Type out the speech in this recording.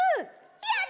やった。